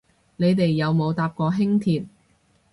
你哋有冇搭過輕鐵